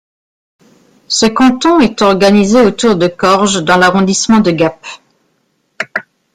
Ce canton est organisé autour de Chorges dans l'arrondissement de Gap.